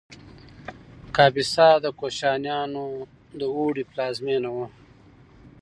کاپیسا د کوشانیانو د اوړي پلازمینه وه